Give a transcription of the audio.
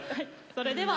それでは。